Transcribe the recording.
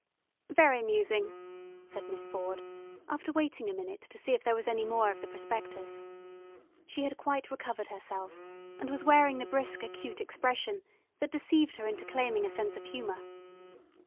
"Very amusing," said Miss Ford, after waiting a minute to see if there was any more of the prospectus. She had quite recovered herself, and was wearing the brisk acute expression that deceived her into claiming a sense of humour.